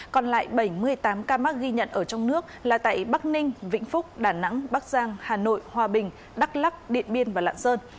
còn lại bảy mươi tám ca mắc ghi nhận ở trong nước là tại bắc ninh vĩnh phúc đà nẵng bắc giang hà nội hòa bình đắk lắc điện biên và lạng sơn